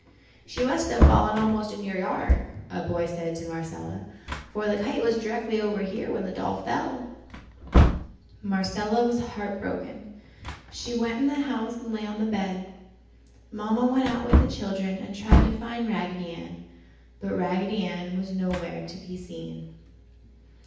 "She must have fallen almost in your yard!" a boy said to Marcella, "for the kite was directly over here when the doll fell!" Marcella was heartbroken. She went in the house and lay on the bed. Mamma went out with the children and tried to find Raggedy Ann, but Raggedy Ann was nowhere to be seen.